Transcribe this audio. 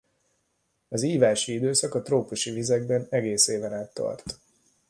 Az ívási időszak a trópusi vizekben egész éven át tart.